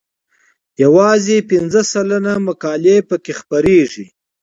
یوازې پنځه سلنه مقالې پکې خپریږي.